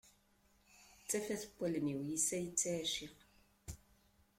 D tafat n wallen-iw, yess ay ttɛiciɣ.